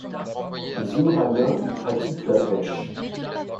Les Imraguens y pratiquent la pêche.